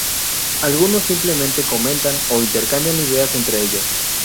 Algunos simplemente comentan o intercambian ideas entre ellos.